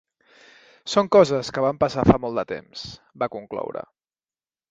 Són coses que van passar fa molt de temps, va concloure.